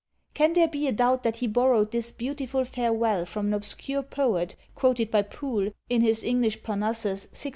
Can there be a doubt that he borrowed this beautiful farewell from an obscure poet, quoted by Poole, in his "English Parnassus," 1657?